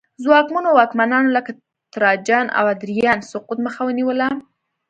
ځواکمنو واکمنانو لکه تراجان او ادریان سقوط مخه ونیوله